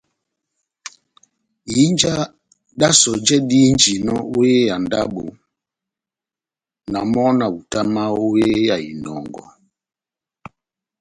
Ihinja d́ sɔjɛ dihínjinɔ ó hé ya ndábo, na mɔ́ na hutamahá ó ya inɔngɔ.